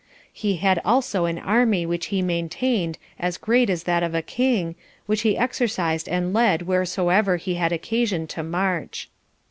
He had also an army which he maintained as great as that of a king, which he exercised and led wheresoever he had occasion to march.